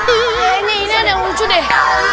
wah ini ada yang lucu deh